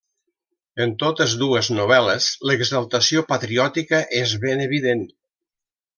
En totes dues novel·les, l'exaltació patriòtica és ben evident.